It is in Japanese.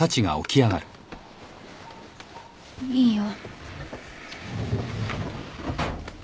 いいよ。